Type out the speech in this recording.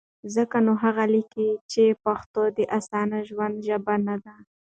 ځکه نو هغه لیکي، چې پښتو د اسانه ژوند ژبه نه ده؛